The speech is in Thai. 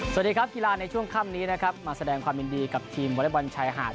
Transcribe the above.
สวัสดีครับกีฬาในช่วงค่ำนี้นะครับมาแสดงความยินดีกับทีมวอเล็กบอลชายหาด